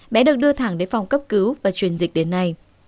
bé được đưa thẳng đến phòng cấp cứu và truyền dịch đến nay